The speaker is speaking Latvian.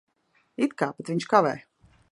It kā. Bet viņš kavē.